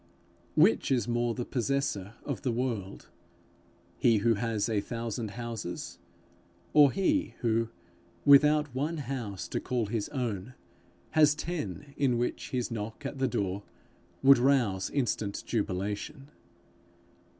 Which is more the possessor of the world he who has a thousand houses, or he who, without one house to call his own, has ten in which his knock at the door would rouse instant jubilation?